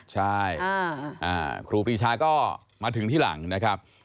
ใช่ครูปรีชาก็มาถึงที่หลังนะครับ